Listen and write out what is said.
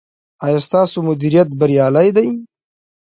ایا ستاسو مدیریت بریالی دی؟